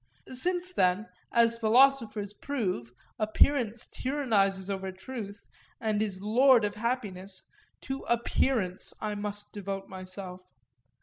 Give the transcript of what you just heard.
Since then, as philosophers prove, appearance tyrannizes over truth and is lord of happiness, to appearance I must devote myself.